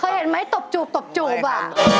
เห็นไหมตบจูบตบจูบว่ะ